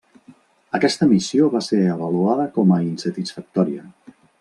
Aquesta missió va ser avaluada com a insatisfactòria.